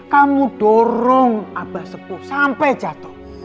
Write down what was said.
kamu dorong abah sepuh sampai jatuh